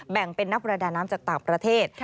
แบ่งเป็นนักประดาน้ำจากต่างประเทศ